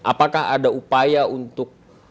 apakah ada upaya untuk